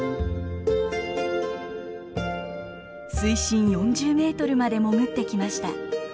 水深４０メートルまで潜ってきました。